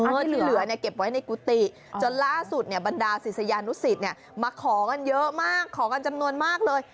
ที่เหลือเก็บไว้ในกุฏิจนล่าสุดบรรดาศิษยานุศิษย์มาขอกันเยอะมากขอกันจำนวนมากเลย